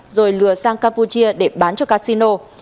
rồi lừa sang campuchia để bán cho casino